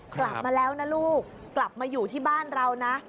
กลับมาแล้วนะลูกกลับมาอยู่ที่บ้านเรานะ